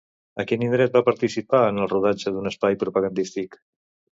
A quin indret va participar en el rodatge d'un espai propagandístic?